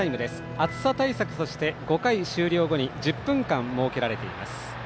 暑さ対策として５回終了後に１０分間、設けられています。